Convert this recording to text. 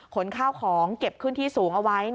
ขนข้าวของเก็บขึ้นที่สูงเอาไว้